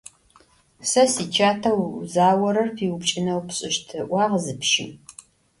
«Se siçate vuzaorer piupç'ıneu pş'ışt», - ı'uağ zı pşım.